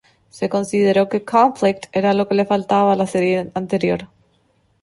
Se consideró que "Conflict" era lo que le faltaba la serie anterior.